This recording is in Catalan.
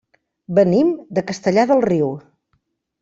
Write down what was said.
Venim de Castellar del Riu.